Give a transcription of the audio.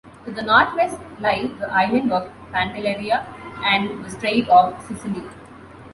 To the northwest lie the island of Pantelleria and the Strait of Sicily.